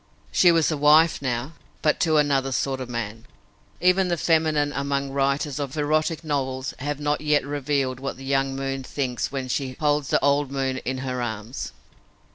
She was a wife now, but to another sort of man. Even the feminine among writers of erotic novels have not yet revealed what the young moon thinks when she "holds the old moon in her arms."